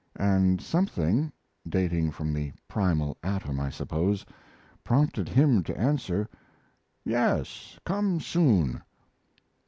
And something dating from the primal atom, I suppose prompted him to answer: "Yes, come soon."